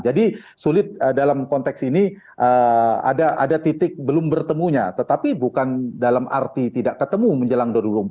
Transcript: jadi sulit dalam konteks ini ada titik belum bertemunya tetapi bukan dalam arti tidak ketemu menjelang dua ribu dua puluh empat